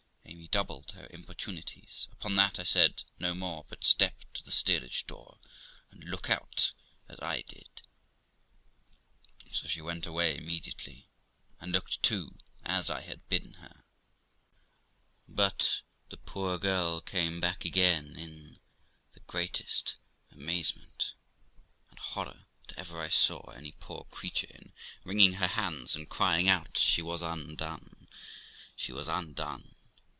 Amy doubled her importunities ; upon that I said no more but, ' Step to the steerage door, and look out, as I did '; so she went away immediately, and looked too, as I had bidden her; but the poor girl came back again in the greatest amazement and horror that ever I saw any poor creature in, wringing her hands and crying out she was undone! she was undone!